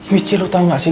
mici lo tau nggak sih